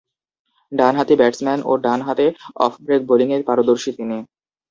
ডানহাতি ব্যাটসম্যান ও ডানহাতে অফ ব্রেক বোলিংয়ে পারদর্শী তিনি।